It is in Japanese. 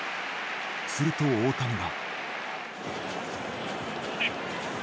すると大谷は。